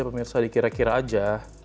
pemirsa dikira kira aja